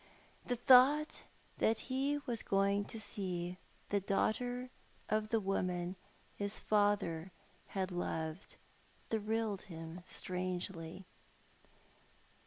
The thought that he was going to see the daughter of the woman his father had loved thrilled him strangely.